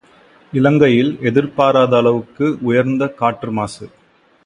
இலங்கையில் எதிர்பாராத அளவுக்கு உயர்ந்த காற்று மாசு